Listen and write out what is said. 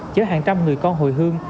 giữa hàng trăm người con hồi hương